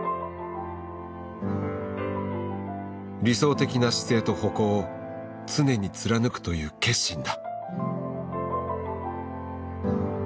理想的な姿勢と歩行を常に貫くという決心だ。